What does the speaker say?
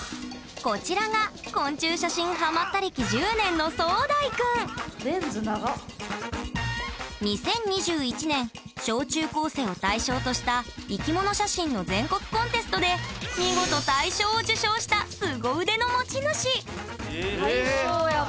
こちらが昆虫写真ハマった歴１０年の２０２１年小中高生を対象とした生きもの写真の全国コンテストで見事大賞を受賞したすご腕の持ち主！